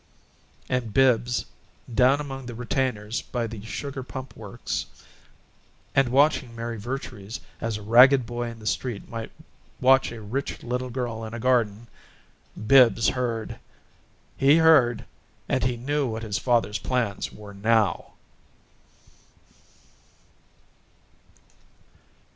And Bibbs down among the retainers by the sugar Pump Works, and watching Mary Vertrees as a ragged boy in the street might watch a rich little girl in a garden Bibbs heard. He heard and he knew what his father's plans were now.